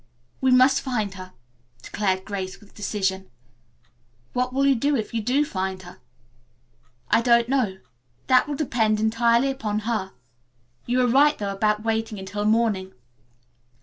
"We must find her," declared Grace with decision. "What will you do with her if you do find her?" "I don't know. That will depend entirely upon her. You are right, though, about waiting until morning.